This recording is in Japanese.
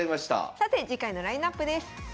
さて次回のラインナップです。